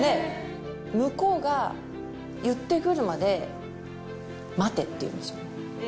「向こうが言ってくるまで待て」っていうんですよ。